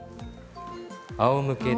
あおむけで。